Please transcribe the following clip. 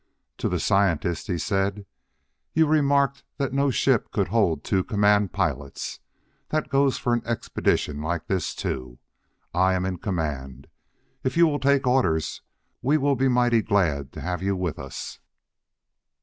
To the scientist he said. "You remarked that no ship could hold two commanding pilots: that goes for an expedition like this, too. I am in command. If you will take orders we will be mighty glad to have you with us."